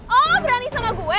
oh berani sama gue